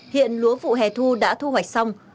hiện lúa vụ hè thu đã thu hoạch xong